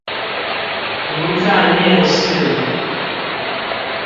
贏在面試